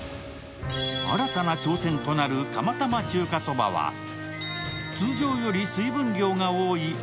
新たな挑戦となる釜玉中華そばは通常より水分量が多い